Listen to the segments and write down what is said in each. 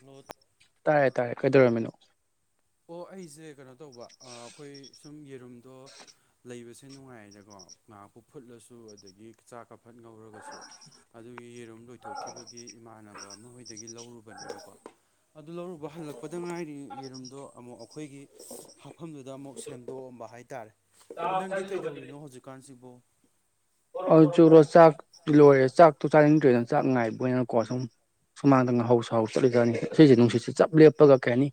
hello ꯇꯥꯏꯌꯦ ꯇꯥꯏꯌꯦ ꯀꯩꯗꯧꯔꯝꯃꯤꯅꯣ ꯑꯣ ꯑꯩꯁꯦ ꯀꯩꯅꯣ ꯇꯧꯕ ꯑ ꯑꯩꯈꯣꯏ ꯁꯨꯝ ꯌꯦꯔꯨꯝꯗꯣ ꯂꯩꯕꯁꯦ ꯅꯨꯡꯉꯥꯏꯌꯦꯅꯀꯣ ꯉꯥꯏꯍꯥꯛꯄꯨ ꯐꯨꯠꯂꯁꯨ ꯑꯗꯒꯤ ꯆꯥꯛꯀ ꯐꯠ ꯉꯧꯔꯒꯁꯨ ꯑꯗꯨꯒꯤ ꯌꯦꯔꯨꯝ ꯂꯣꯏꯊꯣꯛꯈꯤꯕꯒꯤ ꯏꯃꯥꯟꯅꯕ ꯑꯃ ꯍꯣꯏꯗ ꯒꯤ ꯂꯧꯔꯨꯕꯅꯦꯕꯀꯣ ꯑꯗꯨ ꯂꯧꯔꯨꯕ ꯍꯜꯂꯛꯄꯗ ꯉꯥꯏꯔꯤ ꯌꯦꯔꯨꯝꯗꯣ ꯑꯃꯨꯛ ꯑꯩꯈꯣꯏꯒꯤ ꯍꯥꯐꯝꯗꯨꯗ ꯑꯃꯨꯛ ꯁꯦꯝꯗꯣꯛꯑꯝꯕ ꯍꯥꯏꯇꯥꯔꯦ ꯅꯪꯗꯤ ꯀꯩꯗꯧꯔꯤꯅꯣ ꯍꯧꯖꯤꯛꯀꯥꯟꯁꯤꯕꯨ ꯑꯗꯨ ꯆꯨꯔꯣ ꯆꯥꯛꯇꯤ ꯂꯣꯏꯔꯦ ꯆꯥꯛꯇꯣ ꯆꯥꯅꯤꯡꯗ꯭ꯔꯤꯅ ꯆꯥꯛ ꯉꯥꯏꯕ ꯑꯣꯢꯅ ꯀꯣꯜ ꯁꯨꯝ ꯁꯨꯃꯥꯡꯗ ꯉꯥꯍꯥꯎ ꯁꯍꯥꯎ ꯆꯠꯂꯤꯀꯟꯅ ꯉꯁꯤꯁꯦ ꯅꯨꯡꯁꯤꯠꯁꯦ ꯆꯞ ꯂꯦꯞꯄꯒ ꯀꯩ ꯍꯥꯏꯅꯤ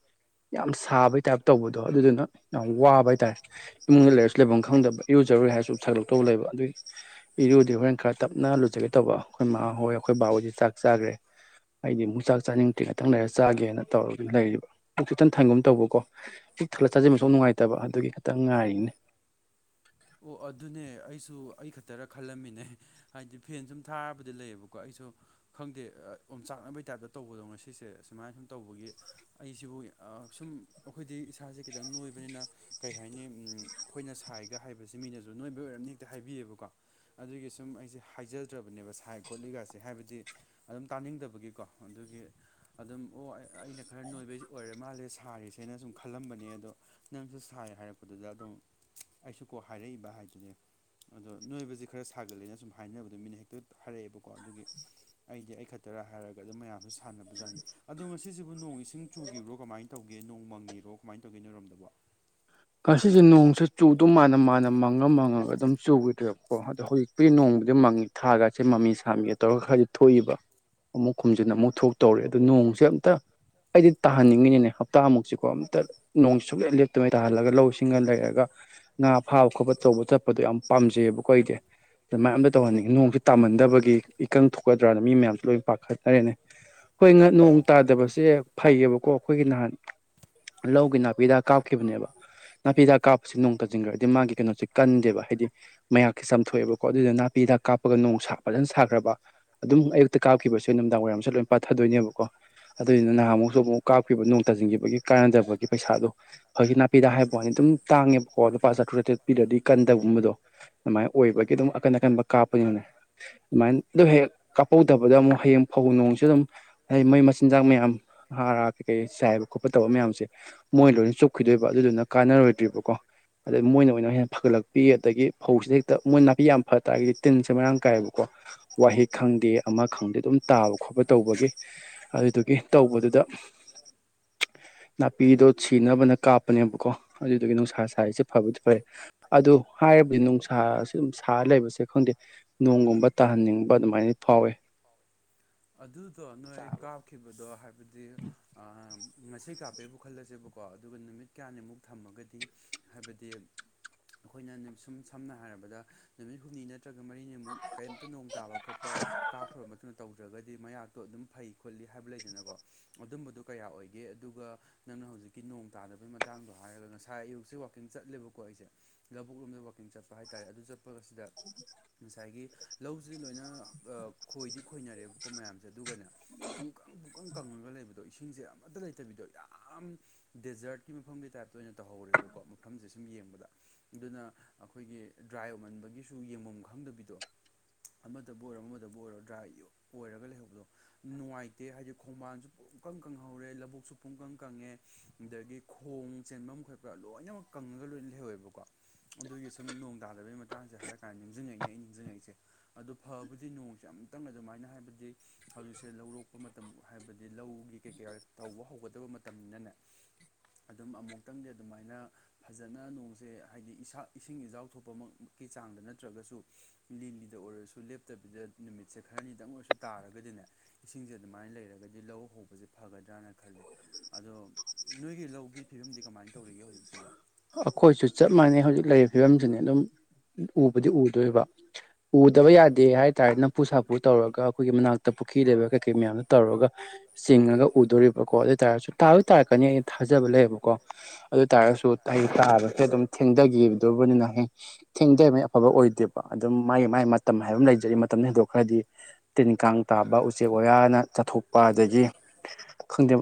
ꯌꯥꯝ ꯁꯥꯕꯩ ꯇꯥꯏꯞ ꯇꯧꯕꯗꯣ ꯑꯗꯨꯗꯨꯅ ꯌꯥꯝ ꯋꯥꯕ ꯍꯥꯏꯇꯥꯔꯦ ꯏꯃꯨꯡꯗ ꯂꯩꯔꯁꯨ ꯂꯩꯐꯝ ꯈꯪꯗꯕ ꯏꯔꯨꯖ ꯔꯨꯒꯦ ꯍꯥꯏꯁꯨ ꯁꯥꯒꯠꯂꯛꯇꯧꯕ ꯂꯩꯕ ꯑꯗꯨꯒꯤ ꯏꯔꯨꯗꯤ ꯍꯣꯔꯦꯟ ꯈꯔ ꯇꯞꯅ ꯂꯨꯖꯒꯦ ꯇꯧꯕ ꯑꯩꯈꯣꯏ ꯃꯥꯥꯍꯣꯏ ꯑꯩꯈꯣꯏ ꯕꯥꯍꯣꯏꯗꯤ ꯆꯥꯛ ꯆꯥꯈ꯭ꯔꯦ ꯑꯩꯗꯤ ꯑꯃꯨꯛ ꯆꯥꯛ ꯆꯥꯅꯤꯡꯗ꯭ꯔꯤ ꯉꯥꯛꯇꯪ ꯂꯩꯔꯒ ꯆꯥꯒꯦꯅ ꯇꯧꯔꯒ ꯂꯩꯔꯤꯕ ꯄꯨꯛꯁꯨ ꯏꯊꯟ ꯊꯟꯒꯨꯝ ꯇꯧꯕꯀꯣ ꯄꯤꯛ ꯊꯜꯂꯒ ꯆꯥꯁꯤꯟꯕꯁꯨ ꯑꯃꯨꯛ ꯅꯨꯡꯉꯥꯏꯇꯕ ꯑꯗꯨꯒꯤ ꯈꯤꯇꯪ ꯉꯥꯏꯔꯤꯅꯦ [inaudible] ꯑꯣ ꯑꯗꯨꯅꯦ ꯑꯩꯁꯨ ꯑꯩ ꯈꯛꯇꯔ ꯈꯜꯂꯝꯃꯤꯅꯦ ꯍꯥꯏꯗꯤ ꯐꯦꯟ ꯁꯨꯝ ꯊꯥꯔꯕꯨꯗꯤ ꯂꯩꯌꯦꯕꯀꯣ ꯑꯩꯁꯨ ꯗꯣ ꯈꯪꯗꯦ ꯑꯣꯝꯆꯥꯛꯅꯕꯩ ꯇꯥꯏꯞꯇ ꯇꯧꯕꯗꯣ ꯉꯁꯤꯁꯦ ꯁꯨꯃꯥꯏꯅ ꯁꯨꯝ ꯇꯧꯕꯒꯤ ꯑꯩꯁꯤꯕꯨ ꯁꯨꯝ ꯑꯩꯈꯣꯏꯗꯤ ꯏꯁꯥꯁꯦ ꯈꯤꯇꯪ ꯅꯣꯏꯕꯅꯤꯅ ꯀꯩ ꯍꯥꯏꯅꯤ ꯑꯩꯈꯣꯏꯅ ꯁꯥꯏꯒ ꯍꯥꯏꯕ ꯕꯁꯤ ꯃꯤꯅꯁꯨ ꯅꯣꯏꯕꯩ ꯑꯣꯏꯔꯝꯅꯤ ꯍꯦꯛꯇ ꯍꯥꯏꯕꯤꯌꯦꯕꯀꯣ ꯑꯗꯨꯒꯤ ꯁꯨꯝ ꯑꯩꯁꯦ ꯍꯥꯏꯖꯗ꯭ꯔꯕꯅꯦꯕ ꯁꯥꯏ ꯈꯣꯠꯂꯤꯒꯥꯁꯦ ꯍꯥꯏꯕꯗꯤ ꯑꯗꯨꯝ ꯇꯥꯅꯤꯡꯗꯕꯒꯤꯀꯣ ꯑꯗꯨꯒꯤ ꯑꯗꯨꯝ ꯑꯣ ꯑꯩꯅ ꯈꯔ ꯅꯣꯏꯕꯩ ꯑꯣꯏꯔ ꯃꯥꯜꯂꯦ ꯁꯥꯔꯤꯁꯦꯅ ꯁꯨꯝ ꯈꯜꯂꯝꯕꯅꯦ ꯑꯗꯣ ꯅꯪꯁꯨ ꯁꯥꯥꯏ ꯍꯥꯏꯔꯛꯄꯗꯨꯗ ꯑꯗꯨꯝ ꯑꯩꯁꯨ ꯀꯣ ꯍꯥꯏꯔꯛꯏꯕ ꯍꯥꯏꯗꯨꯅꯦ ꯑꯗꯣ ꯅꯣꯏꯕꯁꯦ ꯈꯔ ꯁꯥꯒꯜꯂꯦꯅ ꯁꯨꯝ ꯍꯥꯏꯅꯕꯗꯣ ꯃꯤꯅ ꯍꯦꯛꯇ ꯍꯥꯏꯔꯛꯑꯦꯕꯀꯣ ꯑꯗꯨꯒꯤ ꯑꯩꯗꯤ ꯑꯩ ꯈꯛꯇꯔ ꯍꯥꯏꯔꯒ ꯑꯗꯨꯝ ꯃꯌꯥꯝꯁꯨ ꯁꯥꯟꯅꯕꯖꯥꯠꯅꯤ ꯑꯗꯣ ꯉꯁꯤꯁꯤꯕꯨ ꯅꯣꯡ ꯏꯁꯤꯡ ꯆꯨꯈꯤꯕ꯭ꯔꯣ ꯀꯃꯥꯏꯅ ꯇꯧꯒꯦ ꯦ ꯅꯣꯡ ꯃꯪꯉꯤꯔꯣ ꯀꯃꯥꯏꯅ ꯇꯧꯒꯦ ꯅꯣꯏꯔꯣꯝꯗꯕꯨ ꯉꯁꯤꯁꯦ ꯅꯣꯡꯁꯦ ꯆꯨꯗꯧ ꯃꯥꯟꯅ ꯃꯥꯥꯟꯅ ꯃꯪꯉ ꯃꯪꯉꯒ ꯑꯗꯨꯝ ꯆꯨꯈꯤꯗ꯭ꯔꯦꯕꯀꯣ ꯑꯗꯣ ꯍꯧꯖꯤꯛꯄꯨꯗꯤ ꯅꯣꯡ ꯃꯪꯉꯦ ꯊꯥꯒꯥꯁꯦ ꯃꯃꯤ ꯁꯥꯃꯤꯒ ꯇꯧꯔꯒ ꯈꯔꯗꯤ ꯊꯣꯛꯏꯕ ꯑꯃꯨꯛ ꯈꯨꯝꯖꯤꯟ ꯑꯃꯨꯛ ꯊꯣꯛ ꯇꯧꯔꯦ ꯑꯗꯣ ꯅꯣꯡꯁꯦ ꯑꯝꯇ ꯑꯩꯗꯤ ꯇꯥꯍꯟꯅꯤꯡꯉꯤꯅꯤꯅꯦ ꯍꯞꯇꯥꯃꯨꯛꯁꯤꯀꯣ ꯑꯝꯇ ꯅꯣꯡꯁꯦꯟꯁꯨꯛꯂꯦꯞ ꯂꯦꯞꯇꯉꯩ ꯇꯥꯍꯜꯂꯒ ꯂꯧ ꯁꯤꯡꯒ ꯂꯩꯔꯒ ꯉꯥ ꯐꯥꯕ ꯈꯣꯠꯄ ꯇꯧꯕ ꯆꯠꯄꯗꯣ ꯌꯥꯝ ꯄꯥꯝꯖꯩꯌꯦꯕꯀꯣ ꯑꯩꯗꯤ ꯑꯗꯨꯃꯥꯏ ꯑꯝꯇ ꯇꯧꯍꯟꯅꯤꯡꯉꯤ ꯅꯣꯡꯁꯦ ꯇꯥꯍꯟꯗꯕꯒꯤ ꯏꯀꯪ ꯊꯣꯛꯀꯗ꯭ꯔꯅ ꯃꯤ ꯃꯌꯥꯝꯁꯨ ꯂꯣꯏꯅ ꯄꯥꯈꯠꯅꯔꯦꯅꯦ ꯍꯣꯏ ꯉ ꯅꯣꯡ ꯇꯥꯗꯕꯁꯦ ꯐꯩꯌꯦꯕꯀꯣ ꯑꯩꯈꯣꯏꯒꯤ ꯅꯍꯥꯟ ꯂꯧꯒꯤ ꯅꯥꯄꯤꯗꯥꯛ ꯀꯥꯞꯈꯤꯕꯅꯦꯕ [inaudible] ꯅꯥꯄꯤꯗꯥꯛ ꯀꯥꯞꯄꯁꯦ ꯅꯣꯡ ꯇꯥꯁꯤꯟꯈ꯭ꯔꯗꯤ ꯃꯥꯒꯤ ꯀꯩꯅꯣꯁꯦ ꯀꯟꯗꯦꯕ ꯍꯥꯏꯗꯤ ꯃꯌꯥꯛꯁꯦ ꯆꯝꯊꯣꯛꯑꯦꯕꯀꯣ ꯑꯗꯨꯗꯨꯅ ꯅꯥꯄꯤꯗꯥꯛ ꯍꯤꯗꯛ ꯀꯥꯞꯄꯒ ꯅꯣꯡꯁꯥ ꯐꯖꯅ ꯁꯥꯈ꯭ꯔꯕ ꯑꯗꯨꯝ ꯑꯌꯨꯛꯇ ꯀꯥꯞꯈꯤꯕꯁꯦ ꯅꯨꯃꯤꯗꯥꯡ ꯋꯥꯏꯔꯝꯁꯦ ꯂꯣꯏꯅ ꯄꯥꯠꯊꯗꯣꯏꯅꯦꯕꯀꯣ ꯑꯗꯨꯏꯗꯨꯅ ꯅꯍꯥꯟꯃꯨꯛꯁꯨ ꯑꯃꯨꯛ ꯀꯥꯞꯈꯤꯕ ꯅꯣꯡ ꯇꯥꯁꯤꯟꯈꯤꯕꯒꯤ ꯀꯥꯟꯅꯗꯕꯒꯤ ꯄꯩꯁꯥꯗꯨꯣ ꯐꯒꯤ ꯅꯥ ꯄꯤꯗꯥꯛ ꯍꯥꯏꯕ ꯋꯥꯅꯤ ꯑꯗꯨꯝ ꯇꯥꯡꯉꯦꯕꯀꯣ ꯂꯨꯄꯥ ꯆꯥꯇ꯭ꯔꯨꯛ ꯇꯇꯔꯦꯠ ꯄꯤꯗꯗꯤ ꯀꯟꯗꯒꯨꯝꯕꯗꯣ ꯑꯗꯨꯃꯥꯏꯅ ꯑꯣꯏꯕꯒꯤ ꯑꯗꯨꯝꯑꯀꯟ ꯅꯥꯀꯟꯕ ꯀꯥꯞꯄꯅꯤꯅꯅꯦ ꯑꯗꯨꯃꯥꯏꯅ ꯑꯗꯨ ꯍꯦꯛ ꯀꯥꯞꯄꯧꯗꯕꯗ ꯑꯃꯨꯛ ꯍꯌꯦꯡ ꯐꯧ ꯅꯨꯡꯁꯨ ꯑꯗꯨꯝ ꯍꯥꯏ ꯃꯣꯏ ꯃꯆꯤꯟꯖꯥꯛ ꯃꯌꯥꯝ ꯍꯥꯔ ꯀꯩ ꯀꯩ ꯆꯥꯏꯕ ꯈꯣꯠꯄ ꯇꯧꯕ ꯃꯌꯥꯝꯁꯦ ꯃꯣꯏ ꯂꯣꯏꯅ ꯆꯨꯞꯈꯤꯗꯣꯏ ꯑꯗꯨꯗꯨꯅ ꯀꯥꯟꯅꯔꯣꯏꯗ꯭ꯔꯤꯕꯀꯣ ꯑꯗꯩ ꯃꯣꯏꯅ ꯑꯣꯏꯅ ꯍꯦꯟꯅ ꯐꯒꯠꯂꯛꯄꯤ ꯑꯗꯒꯤ ꯐꯧꯁꯤꯗ ꯍꯦꯛꯇ ꯃꯣꯏ ꯅꯥꯄꯤ ꯌꯥꯝ ꯐ ꯇꯥꯔꯒꯗꯤ ꯇꯤꯟꯁꯦ ꯃꯔꯥꯡ ꯀꯥꯏꯌꯦꯕꯀꯣ ꯋꯥꯍꯤꯛ ꯈꯪꯗꯦ ꯑꯃ ꯈꯪꯗꯦ ꯑꯗꯨꯝ ꯇꯥꯕ ꯈꯣꯠꯄ ꯇꯧꯕꯒꯤ ꯑꯗꯨꯗꯨꯒꯤ ꯇꯧꯕꯗꯨꯗ ꯅꯥꯄꯤꯗꯣ ꯁꯤꯅꯕ ꯀꯥ ꯑꯗꯨꯗꯨꯒꯤ ꯅꯨꯡꯁꯥ ꯁꯥꯏꯁꯦ ꯐꯕꯨꯗꯤ ꯐꯩ ꯑꯗꯨ ꯍꯥꯏꯗꯤ ꯅꯨꯡꯁꯥ ꯁꯦ ꯂꯩꯕꯁꯦ ꯈꯪꯗꯦ ꯅꯣꯡꯒꯨꯝꯕ ꯇꯥꯍꯟꯅꯤꯡꯕ ꯑꯗꯨꯃꯥꯏꯅ ꯐꯥꯎꯋꯦ ꯑꯗꯨꯗꯣ ꯅꯣꯏ ꯀꯞꯈꯤ ꯉꯁꯤ ꯀꯥꯞꯄꯦꯕꯨ ꯈꯜꯂꯁꯦꯕ ꯀꯣ ꯑꯗꯨꯒ ꯅꯨꯃꯤꯠ ꯀꯌꯥꯅꯤꯃꯨꯛ ꯊꯝꯃꯒꯗꯤ ꯍꯥꯏꯕꯗꯤ ꯑꯩꯈꯣꯏꯅ ꯁꯨꯝ ꯁꯝꯅ ꯍꯥꯏꯔꯕꯗ ꯅꯨꯃꯤꯠ ꯍꯨꯝꯅꯤꯅ ꯅꯠꯇ꯭ꯔꯒ ꯃꯔꯤꯅꯤꯃꯨꯛ ꯀꯔꯤꯝꯇ ꯅꯣꯡ ꯇꯥꯕ ꯈꯣꯠꯄ ꯀꯥꯞꯈ꯭ꯔꯕ ꯃꯇꯨꯡꯗ ꯇꯧꯗ꯭ꯔꯒꯗꯤ ꯃꯌꯥꯛꯇꯣ ꯑꯗꯨꯝ ꯐꯩ ꯈꯣꯠꯂꯤ ꯍꯥꯏꯕ ꯂꯩꯗꯅꯀꯣ ꯑꯗꯨꯝꯕꯗꯨꯣ ꯀꯌꯥ ꯑꯣꯏꯒꯦ ꯑꯗꯨꯒ ꯅꯪꯅ ꯍꯧꯖꯤꯛ ꯀꯤ ꯅꯣꯡ ꯇꯥꯗꯕꯒꯤ ꯃꯇꯥꯡꯗꯣ ꯍꯥꯏꯔꯒ ꯉꯁꯥꯏ ꯑꯌꯨꯛꯁꯦ ꯋꯥꯀꯤꯡ ꯆꯠꯂꯦꯕꯀꯣ ꯑꯩꯁꯦ ꯂꯥꯕꯨꯛ ꯂꯣꯝꯗ ꯋꯥꯥꯛꯀꯤꯡ ꯆꯠꯄ ꯍꯥꯏꯇ ꯑꯗꯨ ꯆꯠꯄꯁꯤꯗ ꯉꯁꯥꯏꯒꯤ ꯂꯧꯁꯤꯗꯤ ꯂꯣꯏꯅ ꯈꯣꯏꯗꯤ ꯈꯣꯏꯅꯔꯦꯕꯀꯣ ꯃꯌꯥꯝꯁꯦ ꯑꯗꯨꯒꯅ ꯄꯨꯡꯀꯪ ꯄꯨꯡꯀꯪ ꯀꯪ ꯂ ꯂꯩꯕꯗꯣ ꯏꯁꯤꯡꯁꯦ ꯑꯃꯠꯇ ꯂꯩꯇꯕꯤꯗꯣ ꯌꯥꯝ ꯗꯦꯖꯔꯠꯀꯤ ꯃꯐꯝꯒꯤ ꯇꯥꯏꯞꯇ ꯑꯣꯏꯅ ꯇꯧꯍꯧꯔꯦꯕꯀꯣ ꯃꯐꯝꯁꯦ ꯁꯨꯝ ꯌꯦꯡꯕꯗ ꯑꯗꯨꯅ ꯑꯩꯈꯣꯏꯒꯤ ꯗ꯭ꯔꯥꯏ ꯑꯣꯏꯃꯟꯕꯒꯤꯁꯨ ꯌꯦꯡꯐꯝ ꯈꯪꯗꯕꯤꯗꯣ ꯑꯃꯗꯕꯨ ꯑꯣꯏꯔꯣ ꯑꯃꯗꯕꯨ ꯑꯣꯏꯔꯣ ꯗ꯭ꯔꯥꯏ ꯑꯣꯏꯔꯒ ꯂꯩꯍꯧꯕꯗꯣ ꯅꯨꯡꯉꯥꯏꯇꯦ ꯍꯥꯏꯗꯤ ꯈꯣꯡꯕꯥꯟꯁꯨ ꯄꯨꯡꯀꯪ ꯀꯪꯍꯧꯔꯦ ꯂꯧꯕꯨꯛꯁꯨ ꯄꯨꯡꯀꯪ ꯀꯪꯉꯦ ꯑꯗꯒꯤ ꯈꯣꯡ ꯆꯦꯟꯐꯝ ꯈ꯭ꯔꯒ꯭ꯔ ꯂꯣꯏꯅꯃꯛ ꯀꯪꯉꯒ ꯂꯣꯏꯅ ꯂꯩꯍꯧꯋꯦꯕꯀꯣ ꯑꯗꯨꯒꯤ ꯁꯨꯝ ꯅꯣꯡ ꯇꯥꯗꯕꯒꯤ ꯃꯇꯥꯡꯁꯦ ꯍꯥꯏꯔ ꯀꯥꯟ ꯅꯤꯡꯁꯤꯡꯉꯛꯏꯅꯦ ꯑꯩ ꯅꯤꯡꯁꯤꯡꯉꯛꯏꯁꯦ ꯑꯗꯣ ꯐꯕꯨꯗꯤ ꯅꯣꯡꯁꯦ ꯑꯃꯨꯛꯇꯪ ꯑꯗꯨꯃꯥꯏꯅ ꯍꯥꯏꯕꯗꯤ ꯍꯧꯖꯤꯛꯁꯦ ꯂꯧꯔꯣꯛꯄ ꯃꯇꯝ ꯍꯥꯏꯕꯗꯤ ꯂꯧꯒꯤ ꯀꯩ ꯀꯩ ꯇꯧꯕ ꯍꯧꯒꯗꯕ ꯃꯇꯝꯅꯤꯅꯅꯦ [inaudible] ꯑꯗꯨꯝ ꯑꯃꯨꯛꯇꯪꯗꯤ ꯑꯗꯨꯃꯥꯏꯅ ꯐꯖꯅ ꯅꯣꯡꯁꯦ ꯍꯥꯏꯗꯤ ꯏꯁꯥ ꯏꯁꯤꯡ ꯏꯆꯥꯎ ꯊꯣꯛꯄꯃꯛꯀꯤ ꯆꯥꯡ ꯅꯠꯇ꯭ꯔꯒꯁꯨ ꯂꯤꯂꯤꯗ ꯑꯣꯏꯔꯁꯨ ꯂꯦꯞꯇꯕꯤꯗ ꯅꯨꯃꯤꯠꯁꯦ ꯈꯔꯅꯤꯗꯪ ꯑꯣꯏꯔꯁꯨ ꯇꯥꯔꯒꯗꯤꯅꯦ ꯏꯁꯤꯡꯁꯦ ꯑꯗꯨꯃꯥꯏꯅ ꯂꯩꯔꯒꯗꯤ ꯂꯧ ꯎꯕꯁꯦ ꯐꯒꯗ꯭ꯔꯅ ꯈꯜꯂꯦ ꯑꯗꯣ ꯅꯣꯏꯒꯤ ꯂꯧꯒꯤ ꯐꯤꯕꯝꯗꯤ ꯀꯃꯥꯏ ꯑꯈꯣꯏꯁꯨ ꯆꯞ ꯃꯥꯟꯅꯩ ꯍꯧꯖꯤꯛ ꯂꯩꯔꯤꯕ ꯐꯤꯕꯝꯁꯤꯅꯦ ꯑꯗꯨꯝ ꯎꯕꯗꯤ ꯎꯗꯣꯏꯕ ꯎꯗꯕ ꯌꯥꯗꯦ ꯍꯥꯏꯇꯥꯔꯅ ꯅꯐꯨ ꯁꯥꯐꯨ ꯇꯧꯔꯒ ꯑꯈꯣꯏꯒꯤ ꯃꯅꯥꯛꯇ ꯄꯨꯈ꯭ꯔꯤ ꯂꯩꯕ ꯀꯩ ꯀꯩ ꯃꯌꯥꯝꯗꯣ ꯇꯧꯔꯒ ꯆꯤꯡꯉꯒ ꯎꯗꯣꯔꯤꯕꯀꯣ ꯑꯗꯨ ꯑꯣꯏꯇꯥꯥꯔꯁꯨ ꯇꯥꯕꯨꯗꯤ ꯇꯥꯔꯛꯀꯅꯤ ꯑꯩꯅ ꯊꯥꯖ ꯂꯩꯌꯦꯕꯀꯣ ꯑꯗꯣꯏ ꯇꯥꯔꯒꯁꯨ ꯑꯩ ꯇꯥꯕꯁꯦ ꯑꯗꯨꯝ ꯊꯦꯡꯗꯒꯤꯗꯣꯔꯕꯅꯤꯅ ꯍꯦ ꯊꯦꯡꯗꯔꯤꯃꯩ ꯑꯐꯕ ꯑꯣꯏꯗꯦꯕ ꯑꯗꯨꯝ ꯃꯥꯒꯤ ꯃꯥꯒꯤ ꯃꯇꯝ ꯍꯥꯏꯕ ꯑꯃ ꯂꯩꯖꯔꯤ ꯃꯇꯝꯗꯣ ꯍꯦꯟꯗꯣꯛꯈ꯭ꯔꯗꯤ ꯀꯥꯡ ꯇꯥꯕ ꯎꯆꯦꯛ ꯋꯥꯌꯥꯅ ꯆꯥꯊꯣꯛꯄ ꯑꯗꯒꯤ ꯈꯪꯗꯦ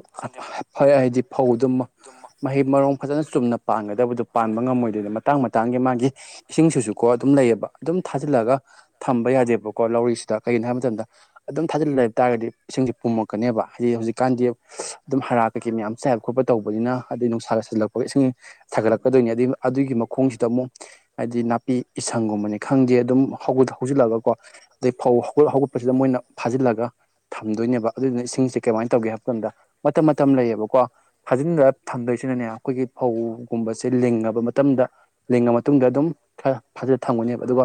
ꯐ ꯍꯥꯏꯗꯤ ꯐꯧꯗꯨ ꯃꯍꯩ ꯃꯔꯣꯡ ꯐꯖꯟ ꯆꯨꯝꯅ ꯄꯥꯟꯒꯗꯕꯗꯨ ꯄꯥꯟꯕ ꯉꯝꯃꯣꯏꯗꯣꯏꯅꯦ ꯃ ꯃꯇꯥꯡ ꯃꯇꯥꯡꯒꯤ ꯃꯥꯒꯤ ꯏꯁꯤꯡꯁꯤꯁꯨꯀꯣ ꯑꯗꯨꯝ ꯂꯩꯌꯦꯕ ꯑꯗꯨꯝ ꯊꯥꯖꯤꯜꯂꯒ ꯊꯝꯕ ꯌꯥꯗꯦꯕꯀꯣ ꯂꯧꯔꯤꯁꯤ ꯀꯩꯒꯤꯅꯣ ꯍꯥꯏꯕ ꯃꯇꯝꯗ ꯑꯗꯨꯝ ꯊꯥꯖꯤꯜꯂ ꯂꯩ ꯇꯥꯔꯗꯤ ꯏꯁꯤꯡꯁꯦ ꯄꯨꯝꯃꯛꯀꯅꯤꯕ ꯍꯩ ꯍꯧꯖꯤꯛꯀꯥꯟꯗꯤ ꯑꯗꯨꯝ ꯍꯥꯔꯥ ꯀꯩꯀꯩ ꯃꯌꯥꯝ ꯆꯥꯏꯕ ꯈꯣꯠꯄ ꯇꯧꯕꯅꯤꯅ ꯑꯗꯩ ꯅꯨꯡꯁꯥ ꯁꯖꯤꯟꯂꯛꯄꯒ ꯏꯁꯤꯡ ꯁꯥꯒꯠꯂꯛꯀꯗꯣꯏꯅꯤ ꯑꯗꯩ ꯑꯗꯨꯒꯤ ꯈꯣꯡꯁꯤꯗ ꯑꯃꯨꯛ ꯍꯥꯏꯗꯤ ꯅꯥꯄꯤ ꯏꯁꯪꯒꯨꯝꯕꯅꯤ ꯈꯪꯗꯦ ꯑꯗꯨꯝ ꯍꯧꯖꯤꯜꯂꯒ ꯀꯣ ꯑꯗꯩ ꯐꯧ ꯍꯣ ꯍꯧꯒꯠ ꯍꯧꯒꯠꯄꯁꯤꯗ ꯃꯣꯏꯅ ꯐꯥꯖꯤꯜꯂꯒ ꯊꯝꯗꯣꯏꯅꯦꯕ ꯑꯗꯨꯗꯨꯅ ꯏꯁꯤꯡꯁꯦ ꯀꯃꯥꯏꯅ ꯇꯧꯒꯦ ꯍꯥꯏꯕ ꯃꯇꯝꯗ ꯃꯇꯝ ꯃꯇꯝ ꯂꯩꯌꯦꯕꯀꯣ ꯐꯥꯖꯤꯟꯗ ꯊꯝꯗꯣꯏꯁꯤꯅꯅꯦ ꯒꯤ ꯐꯧꯒꯨꯝꯕꯁꯦ ꯂꯤꯡꯉꯕ ꯃꯇꯝꯗ ꯂꯤꯡꯉ ꯃꯇꯨꯡꯗ ꯑꯗꯨꯝ ꯈꯔ ꯐꯖꯟꯂ ꯊꯝꯒꯅꯦꯕ ꯑꯗꯨꯒ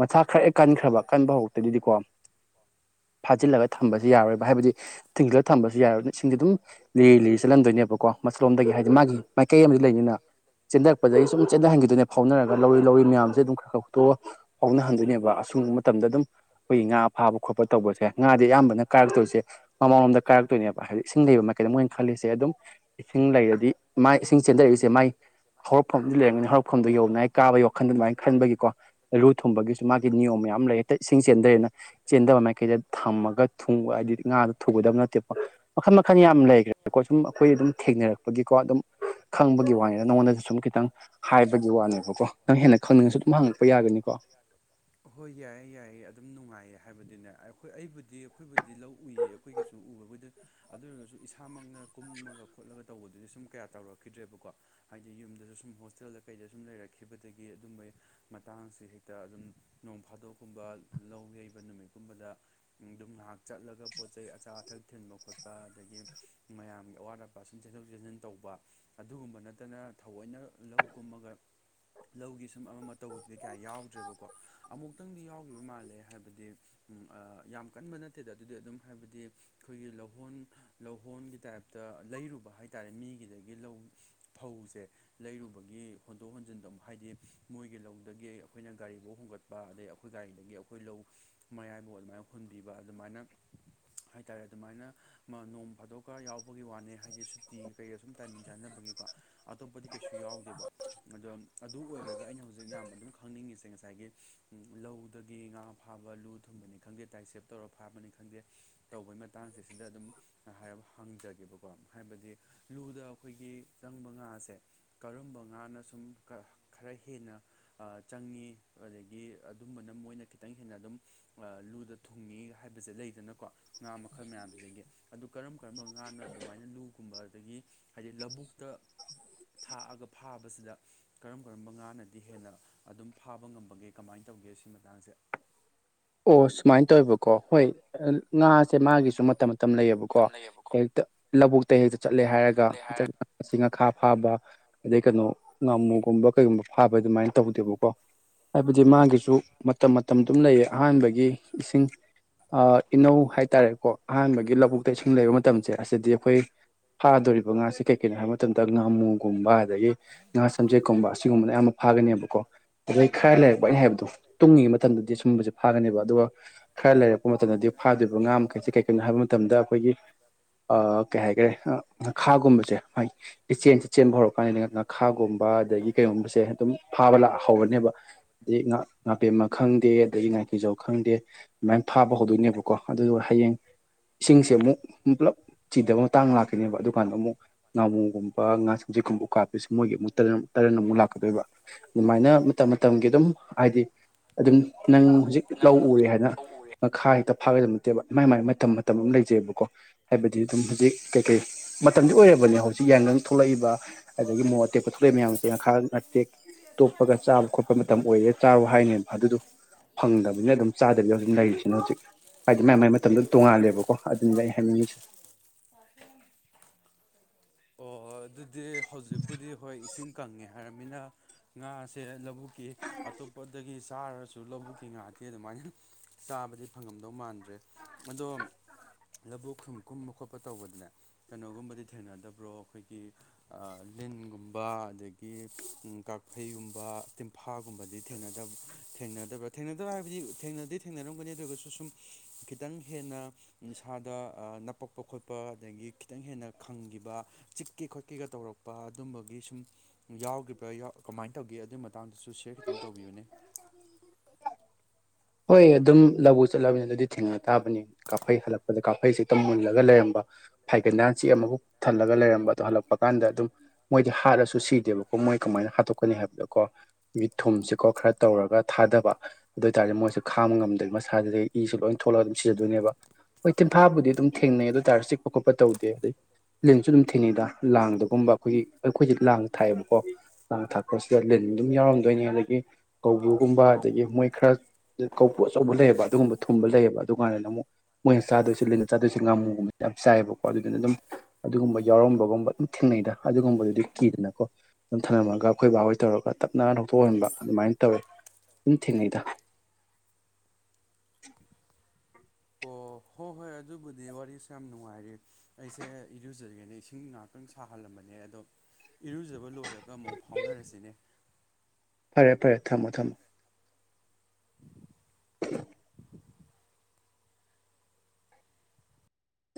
ꯃꯆꯥꯛ ꯈꯔ ꯍꯦꯛ ꯀꯟꯈ꯭ꯔꯕ ꯀꯟꯕ ꯍꯧꯔꯛꯇꯒꯤꯗꯤꯀꯣ [inaudible] ꯐꯥꯖꯤꯜꯂꯒ ꯊꯝꯕꯁꯦ ꯌꯥꯔꯣꯏꯕ ꯍꯥꯏꯕꯗꯤ ꯊꯤꯡꯒꯠꯂ ꯊꯝꯕꯁꯨ ꯌꯥꯔꯣꯏꯕ ꯏꯁꯤꯡꯗꯤ ꯑꯗꯨꯝ ꯂꯤꯔꯤ ꯂꯤꯔꯤ ꯆꯠꯂꯟꯗꯣꯏꯅꯦꯕꯀꯣ ꯃꯁꯂꯣꯝꯗꯒꯤ ꯍꯥꯏꯗꯤ ꯃꯥꯒꯤ ꯃꯥꯏꯀꯩ ꯑꯃꯗꯤ ꯂꯩꯅꯤꯅ ꯆꯦꯟꯊꯔꯛꯄꯗꯒꯤ ꯁꯨꯝ [unintelligible] ꯐꯥꯎꯅꯔꯒ ꯂꯧꯔꯤ ꯂꯧꯔꯤ ꯃꯌꯥꯝꯁꯦ ꯑꯗꯨꯝ ꯈꯔ ꯍꯨꯠꯇꯣꯛꯑꯒ ꯐꯥꯎꯅꯍꯟꯗꯣꯏꯅꯦꯕ ꯑꯁꯨꯡꯕ ꯃꯇꯝꯗ ꯑꯗꯨꯝ ꯑꯩꯈꯣꯏꯒꯤ ꯉꯥ ꯐꯥꯕ ꯈꯣꯠꯄ ꯇꯧꯕꯁꯦ ꯉꯥꯗꯤ ꯑꯌꯥꯝꯕꯅ ꯀꯥꯏꯔꯛꯇꯣꯏꯁꯦ ꯃꯃꯥꯡꯂꯣꯝꯗ ꯀꯥꯏꯔꯛꯇꯣꯏꯅꯦꯕ ꯍꯥꯏꯗꯤ ꯏꯁꯤꯡ ꯂꯩꯕ ꯀꯩꯗꯣ ꯃꯣꯢꯅ ꯈꯜꯂꯤꯁꯦ ꯑꯗꯨꯝ ꯏꯁꯤꯡ ꯂꯩꯔꯗꯤ ꯃ ꯏꯁꯤꯡ ꯆꯦꯟꯊꯔꯛꯏꯁꯦ ꯃꯥꯏ ꯍꯧꯔꯛꯐꯝ ꯅꯤ ꯍꯧꯔꯛꯐꯝꯗꯣ ꯌꯧꯉꯥꯢ ꯀꯥꯕ ꯋꯥꯈꯟꯗꯨ ꯑꯗꯨꯃꯥꯏꯅ ꯈꯟꯕꯒꯤꯀꯣ ꯂꯨ ꯊꯨꯝꯕꯒꯤꯁꯨ ꯃꯥꯒꯤ ꯅꯤꯌꯣꯝ ꯌꯥꯝ ꯂꯩ ꯍꯦꯇ ꯢꯁꯤꯡ ꯆꯦꯟꯗꯩꯅ ꯆꯦꯟꯗꯕ ꯃꯥꯏꯀꯩꯗ ꯊꯝꯃꯒ ꯊꯨꯡ ꯍꯥꯏꯗꯤ ꯉꯥꯗꯣ ꯊꯨꯒꯗꯕ ꯅꯠꯇꯦꯀꯣ ꯃꯈꯜ ꯃꯈꯜꯅꯤ ꯌꯥꯝ ꯂꯩꯈ꯭ꯔꯦꯀꯣ ꯁꯨꯝ ꯑꯩꯈꯣꯏ ꯑꯗꯨꯝ ꯊꯦꯡꯅꯔꯛꯄꯒꯤꯀꯣ ꯑꯗꯨꯝ ꯈꯪꯕꯒꯤ ꯋꯥꯅꯤꯗ ꯅꯉꯣꯟꯗꯁꯨ ꯁꯨꯝ ꯈꯤꯇꯪ ꯍꯥꯏꯕꯒꯤ ꯋꯥꯅꯦꯕꯀꯣ ꯅꯪ ꯍꯦꯟꯅ ꯈꯪꯅꯤꯡꯉꯁꯨ ꯑꯗꯨꯝ ꯍꯪꯉꯛꯄ ꯌꯥꯒꯅꯤꯀꯣ ꯍꯣꯏ ꯌꯥꯏꯌꯦ ꯌꯥꯏꯌꯦ ꯑꯗꯨꯝ ꯍꯥꯏ ꯍꯥꯏꯕꯗꯨꯅꯦ ꯑꯩꯈꯣꯏ ꯑꯩꯕꯨꯗꯤ ꯑꯩꯈꯣꯏꯕꯨꯗꯤ ꯂꯧ ꯎꯏꯌꯦ ꯑꯩꯈꯣꯏꯒꯤꯁꯨ ꯎꯕꯨꯗ ꯑꯗꯨ ꯑꯣꯏꯔꯒꯁꯨ ꯏꯁꯥꯃꯛꯅ ꯀꯨꯝꯃꯒ ꯈꯣꯠꯂꯒ ꯇꯧꯕꯗꯨꯗꯤ ꯁꯨꯝ ꯀꯌꯥ ꯇꯧꯔꯛꯈꯤꯗ꯭ꯔꯦꯕꯀꯣ ꯍꯥꯏꯗꯤ ꯌꯨꯝꯗꯁꯨ ꯁꯨꯝ ꯍꯣꯁꯇꯦꯜꯗ ꯀꯩꯗ ꯁꯨꯝ ꯂꯩꯔꯛꯈꯤꯕꯗꯒꯤ ꯑꯗꯨꯝꯕꯩ ꯃꯇꯥꯡꯁꯦ ꯍꯦꯛꯇ ꯑꯗꯨꯝ ꯅꯣꯡ ꯐꯥꯗꯣꯛ ꯀꯨꯝꯕ ꯂꯧ ꯌꯩꯕ ꯅꯨꯃꯤꯠꯀꯨꯝꯕꯗ ꯑꯗꯨꯝ ꯉꯥꯏꯍꯥꯛ ꯆꯠꯂꯒ ꯄꯣꯠ ꯆꯩ ꯑꯆꯥ ꯑꯊꯛ ꯊꯤꯟꯕ ꯈꯣꯠꯄ ꯑꯗꯒꯤ ꯃꯌꯥꯝꯒꯤ ꯑꯋꯥꯠ ꯑꯄꯥꯁꯤꯡ ꯆꯦꯟꯊꯣꯛ ꯆꯦꯟꯁꯤꯟ ꯇꯧꯕ ꯑꯗꯨꯒꯨꯝꯕ ꯅꯠꯇꯅ ꯊꯑꯣꯏꯅ ꯂꯧ ꯀꯨꯝꯃꯒ ꯂꯧꯒꯤ ꯁꯨꯝ ꯑꯃꯃ ꯇꯧꯕꯗꯨꯗꯤ ꯀꯌꯥ ꯌꯥꯎꯗ꯭ꯔꯦꯕꯀꯣ ꯑꯃꯨꯛꯇꯪꯗꯤ ꯌꯥꯎꯈꯤꯕ ꯃꯥꯜꯂꯦ ꯍꯥꯏꯕꯗꯤ ꯌꯥꯝ ꯀꯟꯕ ꯅꯠꯇꯦꯗ ꯑꯗꯨꯗꯤ ꯑꯗꯨꯝ ꯍꯥꯏꯕꯗꯤ ꯑꯩꯈꯣꯏꯒꯤ ꯂꯧꯍꯣꯟ ꯂꯧꯍꯣꯟꯒꯤ ꯇꯥꯏꯞꯇ ꯂꯩꯔꯨꯕ ꯍꯥꯏꯇꯥꯔꯦ ꯃꯤꯒꯤꯗꯒꯤ ꯂꯧ ꯐꯧꯁꯦ ꯂꯩꯔꯨꯕꯒꯤ ꯍꯣꯟꯗꯣꯛ ꯍꯣꯟꯖꯤꯟꯗ ꯑꯃꯨꯛ ꯍꯥꯏꯗꯤ ꯃꯣꯏꯒꯤ ꯂꯧꯗꯒꯤ ꯑꯩꯈꯣꯏꯅ ꯒꯥꯔꯤꯐꯧ ꯍꯣꯡꯒꯠꯄ ꯑꯗꯩ ꯑꯈꯣꯏ ꯒꯥꯔꯤꯗꯒꯤ ꯑꯈꯣꯏ ꯂꯧ ꯃꯌꯥꯏꯐꯥꯎ ꯑꯗꯨꯃꯥꯏ ꯍꯨꯟꯕꯤꯕ ꯑꯗꯨꯃꯥꯏꯅ ꯍꯥꯏꯇꯥꯔꯦ ꯑꯗꯨꯃꯥꯏꯅ ꯃ ꯅꯣꯡ ꯐꯥꯗꯣꯛꯀ ꯌꯥꯎꯕꯒꯤ ꯋꯥꯅꯦ ꯍꯥꯏꯗꯤ ꯁꯨꯇꯤ ꯀꯩꯒ ꯁꯨꯝ ꯇꯥꯏꯃꯤꯡ ꯆꯥꯅꯕꯒꯤ ꯑꯇꯣꯞꯄ [unintelligible] ꯌꯥꯎꯗꯦꯕ ꯑꯗꯣ ꯑꯗꯨ ꯑꯣꯏꯈ꯭ꯔꯒ ꯑꯩꯅ ꯍꯨꯖꯤꯛ ꯌꯥꯝ ꯑꯗꯨꯝ ꯈꯪꯅꯤꯡꯉꯤꯁꯦ ꯉꯁꯥꯏꯒꯤ ꯎꯝ ꯂꯧꯗꯒꯤ ꯉꯥ ꯐꯥꯕ ꯂꯨ ꯊꯨꯝꯕꯅꯤ ꯈꯪꯗꯦ ꯇꯥꯏꯠꯁꯦꯞ ꯇꯧꯔ ꯐꯥꯕꯅꯤ ꯈꯪꯗꯦ ꯇꯧꯕꯩ ꯃꯇꯥꯡꯁꯦ ꯁꯤꯗ ꯑꯗꯨꯝ ꯍꯥꯏ ꯍꯪꯖꯒꯦꯕꯀꯣ ꯍꯥꯏꯕꯗꯤ ꯂꯨꯗ ꯑꯩꯈꯣꯏꯒꯤ ꯆꯪꯕ ꯉꯥꯁꯦ ꯀꯔꯝꯕ ꯉꯥꯅ ꯁꯨꯝ ꯈꯔ ꯍꯦꯟꯅ ꯑꯥ ꯆꯪꯉꯤ ꯑꯗꯒꯤ ꯑꯗꯨꯝꯕꯅ ꯃꯣꯏꯅ ꯈꯤꯇꯪ ꯍꯦꯟꯅ ꯑꯗꯨꯝ ꯂꯨꯗ ꯊꯨꯡꯉꯦ ꯍꯥꯏꯕꯁꯦ ꯂꯩꯗꯅꯀꯣ ꯉꯥ ꯃꯈꯜ ꯃꯌꯥꯝꯁꯤꯗꯒꯤ ꯑꯗꯨ ꯀꯔꯝ ꯀꯔꯝꯕ ꯉꯥꯅ ꯑꯗꯨꯃꯥꯏꯅ ꯂꯨꯒꯨꯝꯕ ꯑꯗꯒꯤ ꯍꯥꯏꯗꯤ ꯂꯕꯨꯛꯇ ꯊꯥꯛꯑꯒ ꯐꯥꯕꯁꯤꯗ ꯀꯔꯝ ꯀꯔꯝꯕ ꯉꯥꯅꯗꯤ ꯍꯦꯟꯅ ꯑꯗꯨꯝ ꯐꯥꯕ ꯉꯝꯕꯒꯦ ꯀꯃꯥꯏꯅ ꯇꯧꯒꯦ ꯁꯤ ꯃꯇꯥꯡꯁꯦ ꯑꯣ ꯁꯨꯃꯥꯏ ꯇꯧꯋꯦꯕꯀꯣ ꯍꯣꯏ ꯉꯥꯁꯦ ꯃꯥꯒꯤꯁꯨ ꯃꯇꯝ ꯇꯝ ꯂꯩꯌꯦꯕꯀꯣ ꯃꯇꯝ ꯂꯩꯌꯦꯕꯀꯣ ꯍꯦꯛꯇ ꯂꯧꯕꯨꯛꯇ ꯍꯦꯛꯇ ꯆꯠꯂꯦ ꯍꯥꯏꯔꯒ ꯂꯩ ꯍꯥꯏꯔ [unintelligible] ꯉꯈꯥ ꯐꯥꯕ ꯑꯗꯩ ꯀꯩꯅꯣ ꯉꯥꯃꯨꯒꯨꯝꯕ ꯀꯩꯒꯨꯝꯕ ꯐꯥꯕ ꯑꯗꯨꯃꯥꯏ ꯇꯧꯗꯦꯕꯀꯣ ꯍꯥꯏꯕꯗꯤ ꯃꯥꯒꯤꯁꯨ ꯃꯇꯝ ꯃꯇꯝ ꯑꯗꯨꯝ ꯂꯩꯌꯦ ꯑꯍꯥꯟꯕꯒꯤ ꯏꯁꯤꯡ ꯏꯅꯧ ꯍꯥꯏꯇꯥꯔꯦꯀꯣ ꯑꯍꯥꯟꯕꯒꯤ ꯂꯧꯕꯨꯛꯇ ꯏꯁꯤꯡ ꯂꯩꯕ ꯃꯇꯝꯁꯦ ꯑꯁꯤꯗꯤ ꯑꯈꯣꯏ ꯐꯗꯣꯔꯤꯕ ꯉꯥꯁꯦ ꯀꯩ ꯀꯩꯅꯣ ꯍꯥꯏꯕ ꯃꯇꯝꯗ ꯉꯥꯃꯨꯒꯨꯝꯕ ꯑꯗꯒꯤ ꯉꯥ ꯁꯝꯖꯦꯠꯀꯨꯝꯕ ꯁꯤꯒꯨꯝꯕꯅꯌꯥꯝ ꯑꯃ ꯐꯥꯒꯅꯦꯕꯀꯣ ꯑꯗꯩ ꯈꯔ ꯂꯩꯔꯛꯄꯩꯅ ꯍꯥꯏꯕꯗꯣ ꯇꯨꯡꯉꯤ ꯃꯇꯝꯗꯗꯤ ꯁꯨꯝꯕꯁꯦ ꯐꯥꯒꯅꯦꯕ ꯑꯗꯨꯒ ꯈꯔ ꯂꯩꯔꯛꯄ ꯃꯇꯝꯗꯗꯤ ꯐꯥꯗꯣꯏꯔꯤꯕ ꯉꯥ ꯃꯈꯩꯁꯦ ꯀꯩꯀꯩꯅꯣ ꯍꯥꯏꯕ ꯃꯇꯝꯗ ꯑꯈꯣꯏꯒꯤ ꯑ ꯀꯩ ꯍꯥꯏꯒ꯭ꯔꯦ ꯉꯈꯥꯒꯨꯝꯕꯖꯦ ꯏꯆꯦꯟꯁꯦ ꯆꯦꯟꯕ ꯍꯧꯔꯛꯀꯥꯟꯗꯅ ꯉꯥꯈꯥꯒꯨꯝꯕ ꯕ ꯑꯗꯩ ꯀꯩꯒꯨꯝꯁꯦ ꯑꯗꯨꯝ ꯐꯕꯂꯥꯛ ꯍꯧꯔꯅꯦꯕ [unintelligible] ꯉꯥ ꯉꯥꯄꯦꯝꯃ ꯈꯪꯗꯦ ꯀꯤꯖꯧ ꯈꯪꯗꯦ ꯑꯗꯨꯃꯥꯏ ꯐꯥꯕ ꯍꯧꯗꯣꯏꯅꯦꯕꯀꯣ ꯑꯗꯨ ꯍꯌꯦꯡ ꯏꯁꯤꯡꯁꯦ ꯑꯃꯨꯛ ꯄꯨꯜꯂꯞ ꯆꯤꯗꯕ ꯃꯇꯥꯡ ꯂꯥꯛꯈꯤꯅꯤꯕ ꯑꯗꯨꯀꯥꯟꯗ ꯑꯃꯨꯛ ꯉꯥꯃꯨꯒꯨꯝꯕ ꯉꯥꯁꯤꯡ [unintelligible] ꯀꯥꯞꯄꯁꯤ ꯃꯣꯏꯒꯤ ꯑꯃꯨꯛ ꯇꯔꯟ ꯇꯔꯟ ꯑꯃꯨꯛ ꯂꯥꯛꯀꯗꯣꯏꯕ ꯑꯗꯨꯃꯥꯏꯅ ꯃꯇꯝ ꯃꯇꯝꯒꯤ ꯑꯗꯨꯝ ꯍꯥꯏꯗꯤ ꯑꯗꯨꯝ ꯅꯪ ꯍꯧꯖꯤꯛ ꯅꯪ ꯂꯧ ꯎꯔꯦ ꯍꯥꯏꯅ ꯂꯧ ꯎꯔꯦ ꯃꯈꯥ ꯍꯦꯛꯇ ꯐꯥꯒꯗꯝ ꯅꯠꯇꯦꯕ ꯃꯥꯏ ꯃꯥꯏ ꯃꯇꯝ ꯃꯇꯝ ꯑꯝ ꯂꯩꯖꯩꯕꯀꯣ ꯍꯥꯏꯕꯗꯤ ꯑꯗꯨꯝ ꯍꯧꯖꯤꯛ ꯀꯩꯀꯩ ꯃꯇꯝꯗꯤ ꯑꯣꯏꯔꯕꯅꯦ ꯍꯧꯖꯤꯛ ꯌꯥꯏꯉꯪ ꯊꯣꯛꯂꯛꯏꯕ ꯑꯗꯒꯤ ꯃꯣꯔ ꯑꯇꯦꯛꯄ ꯊꯣꯛꯂꯛꯏ ꯃꯌꯥꯝꯁꯦ ꯉꯈꯥ ꯅꯇꯦꯛ ꯇꯣꯞꯄꯒ ꯆꯥꯕ ꯈꯣꯠꯄ ꯃꯇꯝ ꯑꯣꯏꯔꯦ ꯆꯥꯔꯣ ꯍꯥꯏꯅꯦꯕ ꯑꯗꯨꯗꯨ ꯐꯪ ꯍꯧꯖꯤꯅ ꯑꯗꯨꯝ ꯆꯥꯗꯕꯤꯗ ꯍꯧꯖꯤꯛ ꯂꯩꯔꯤꯁꯤꯅꯦ ꯍꯧꯖꯤꯛ ꯍꯥꯏꯗꯤ ꯃꯥꯢ ꯃꯥꯏ ꯃꯇꯝꯗ ꯇꯣꯡꯉꯥꯜꯂꯦꯕꯀꯣ ꯑꯗꯨꯅꯤꯗ ꯑꯩ ꯍꯥꯏꯅꯤꯡꯉꯤꯁꯦ ꯑꯣ ꯑꯣ ꯑꯗꯨꯗꯤ ꯍꯧꯖꯤꯛꯄꯨꯗꯤ ꯍꯣꯏ ꯏꯁꯤꯡ ꯀꯪꯉꯦ ꯍꯥꯏꯔꯕꯃꯤꯅ ꯉꯥꯁꯦ ꯂꯕꯨꯛ [unintelligible] ꯑꯇꯣꯞꯄꯗꯒꯤ ꯆꯥꯔꯁꯨ ꯂꯧꯕꯨꯛꯀꯤ ꯉꯥꯗꯤ ꯑꯗꯨꯃꯥꯏꯅ ꯆꯥꯕꯗꯤ ꯐꯪꯉꯝꯗꯧ ꯃꯥꯟꯗ꯭ꯔꯦ ꯑꯗꯣ ꯂꯕꯨꯨꯛ ꯈꯨꯝ ꯀꯨꯝꯕ ꯈꯣꯠꯄ ꯇꯧꯕꯗꯅꯦ ꯀꯩꯅꯣꯒꯨꯝꯕꯗꯤ ꯊꯦꯡꯅꯗꯕ꯭ꯔꯣ ꯑꯈꯣꯏꯒꯤ ꯂꯤꯟꯒꯨꯝꯕ ꯑꯗꯒꯤ [unintelligible] ꯀꯥꯐꯩꯒꯨꯝꯕ ꯇꯤꯝꯐꯥꯒꯨꯝꯕꯗꯤ ꯊꯦꯡꯅꯗꯕꯔꯣ ꯊꯦꯡꯅꯗꯕ ꯊꯦꯡꯅꯗꯕ ꯍꯥꯏꯕꯗꯤ ꯊꯦꯡꯅꯗꯤ ꯊꯦꯡꯅꯔꯝꯒꯅꯤ ꯑꯗꯨ ꯑꯣꯏꯔꯒꯁꯨ ꯁꯨꯝ ꯈꯤꯇꯪ ꯍꯦꯟꯅ ꯏꯁꯥꯗ ꯑ ꯅꯄꯛ [unintelligible] ꯈꯣꯠꯄ ꯑꯗꯒꯤ ꯈꯤꯇꯪ ꯍꯦꯟꯅ ꯈꯪꯒꯤꯕ ꯆꯤꯛꯀꯦ ꯈꯣꯠꯀꯦꯒ ꯇꯧꯔꯛꯄꯦ ꯑꯗꯨꯝꯕꯒꯤ ꯁꯨꯝ ꯌꯥꯎꯈꯤꯕ꯭ꯔꯥ ꯌꯥꯎ ꯀꯃꯥꯏꯅ ꯇꯧꯒꯦ ꯑꯗꯨꯒꯤ ꯃꯇꯥꯡꯗꯁꯨ ꯁꯤꯌꯔ ꯈꯤꯇꯪ ꯇꯧꯕꯤꯌꯨꯅꯦ ꯍꯣꯏ ꯑꯗꯨꯝ ꯂꯧꯕꯨ ꯆꯠꯂꯕꯅꯤꯅ ꯑꯗꯨꯗꯤ ꯊꯦꯡꯅ ꯇꯥꯕꯅꯤ ꯀꯥꯐꯩ ꯍꯜꯂꯛꯄꯗ ꯀꯥꯐꯩꯁꯦ ꯍꯦꯛꯇ ꯃꯨꯜꯂꯒ ꯂꯩꯔꯝꯕ ꯐꯥꯏꯒꯟꯗ ꯍꯥꯟꯆꯤꯛꯑ ꯃꯕꯨꯛ ꯊꯜꯂꯒ ꯂꯩꯔꯝꯕ ꯑꯗꯣ ꯍꯜꯂꯛꯄ ꯀꯥꯟꯗ ꯑꯗꯨꯝ ꯃꯣꯏꯗꯤ ꯍꯥꯠꯂꯁꯨ ꯁꯤꯗꯦꯕꯀꯣ ꯃꯣꯏ ꯀꯃꯥꯏꯅ ꯍꯥꯠꯇꯣꯛꯀꯅꯤ ꯍꯥꯏꯕꯗ ꯀꯣ ꯃꯤꯠ ꯊꯨꯝꯁꯤꯀꯣ ꯈꯔ ꯇꯧꯔꯒ ꯊꯥꯗꯕ ꯑꯗꯨ ꯑꯣꯏꯇꯥꯔꯗꯤ ꯃꯣꯏꯁꯨ ꯈꯥꯝꯕ ꯉꯝꯗꯦꯕ ꯃꯁꯥꯗꯒꯤ ꯏꯁꯨ ꯂꯣꯏ ꯊꯣ ꯊꯣꯂꯛꯑ ꯑꯗꯨꯝ ꯁꯤꯖꯥꯗꯣꯏꯅꯦꯕ ꯍꯣꯏ ꯇꯤꯟꯐꯥꯕꯨꯗꯤ ꯑꯗꯨꯝ ꯊꯦꯡꯅꯩ ꯑꯗꯨꯢ ꯇꯥꯔꯁꯨ ꯆꯤꯛꯄ ꯈꯣꯠꯄ ꯇꯧꯗꯦ ꯑꯗꯨ ꯂꯤꯟꯁꯨ ꯑꯗꯨꯝ ꯊꯦꯡꯅꯩꯗ ꯂꯥꯡꯗꯒꯨꯝꯕ ꯑꯩꯈꯣꯏꯒꯤ ꯑꯩꯈꯣꯏꯁꯦ ꯂꯥꯡ ꯊꯥꯏꯑꯦꯕꯀꯣ ꯂꯥꯡ ꯊꯥꯛꯄꯁꯤꯗ ꯂꯤꯟ ꯑꯗꯨꯝ ꯌꯥꯎꯔꯝꯗꯣꯏꯅꯦ ꯑꯗꯒꯤ ꯀꯧꯕ꯭ꯔꯨꯒꯨꯝꯕ ꯑꯗꯒꯤ ꯃꯣꯏ ꯈꯔ ꯀꯧꯕꯨ ꯑꯆꯧꯕ ꯂꯩꯌꯦꯕ ꯑꯗꯨꯒꯨꯝꯕ ꯊꯨꯝꯕ ꯂꯩꯌꯦꯕ ꯑꯗꯨ ꯀꯥꯟꯗꯨꯗ ꯑꯃꯨꯛ ꯃꯣꯏꯅ ꯆꯥꯗꯣꯏꯁꯤ ꯂꯤꯟꯅ ꯆꯥꯗꯣꯏꯁꯤ ꯉꯥꯃꯨꯒꯨꯝꯕ ꯌꯥꯝ ꯆꯥꯏꯌꯦꯕꯀꯣ ꯑꯗꯨꯗꯨꯅ ꯑꯗꯨꯝ ꯑꯗꯨꯒꯨꯝꯕ ꯌꯥꯎꯔꯝꯕꯒꯨꯝꯕ ꯑꯗꯨꯝ ꯊꯦꯡꯅꯩꯗ ꯑꯗꯨꯒꯨꯝꯕꯗꯨꯗꯤ ꯀꯤꯗꯅꯀꯣ ꯑꯗꯨꯝ ꯊꯝꯅꯝꯂꯝꯒ ꯑꯩꯈꯣꯏ ꯕꯥꯍꯣꯏ ꯇꯧꯔꯒ ꯇꯞꯅꯥ ꯂꯧ ꯇꯣꯛꯍꯟꯕ ꯑꯗꯨꯃꯥꯏꯅ ꯇꯧꯋꯤ ꯑꯗꯨꯝ ꯊꯦꯡꯅꯩꯗ ꯑꯣ ꯍꯣꯏ ꯍꯣꯏ ꯑꯗꯨꯕꯨꯗꯤ ꯋꯥꯔꯤꯁꯨ ꯌꯥꯝ ꯅꯨꯡꯉꯥꯏꯔꯤ ꯑꯩꯁꯦ ꯏꯔꯨꯖꯉꯦꯅꯦ ꯏꯁꯤꯡ ꯉꯥꯏꯍꯥꯛꯇꯪ ꯁꯥꯍꯜꯂꯝꯕꯅꯦ ꯑꯗꯣ ꯏꯔꯨꯖꯕ ꯂꯣꯏꯔꯒ ꯑꯃꯨꯛ ꯐꯥꯎꯅꯔꯁꯤꯅꯦ ꯐꯔꯦ ꯐꯔꯦ ꯊꯝꯃꯣ ꯊꯝꯃꯣ